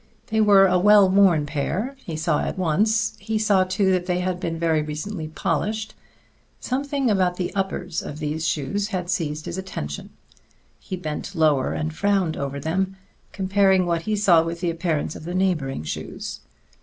They were a well worn pair, he saw at once; he saw, too, that they had been very recently polished. Something about the uppers of these shoes had seized his attention. He bent lower and frowned over them, comparing what he saw with the appearance of the neighboring shoes.